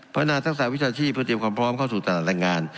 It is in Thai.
พัฒนาทักษะวิชาชีพเพื่อเตรียมความพร้อมเข้าสู่ตลาดแรงงาน